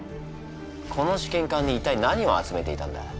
この試験管に一体何を集めていたんだ？